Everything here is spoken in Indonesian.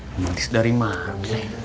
romantis dari mana